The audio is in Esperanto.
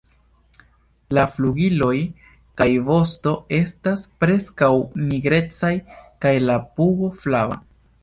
La flugiloj kaj vosto estas preskaŭ nigrecaj kaj la pugo flava.